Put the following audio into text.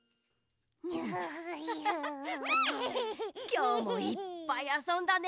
きょうもいっぱいあそんだね。